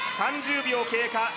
３０秒経過